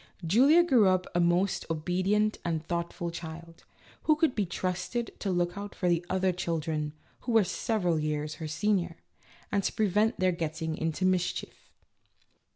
Julia grew up a most obedient and thoughtful child, who could be trusted to look out for the other children, who were several years her seniors, and to prevent their getting into mischief.